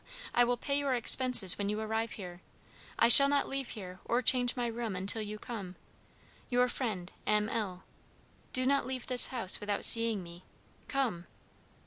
_ I will pay your expenses when you arrive here. I shall not leave here or change my room until you come. "Your friend, M. L. "Do not leave this house without seeing me. "_Come!